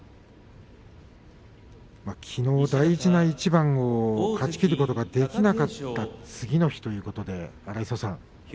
きのう大事な一番勝ち切ることができなかった次の日ということで、荒磯さん